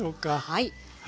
はい。